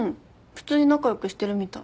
普通に仲良くしてるみたい。